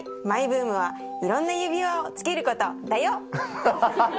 マイブームはいろんな指輪をつけることだよ！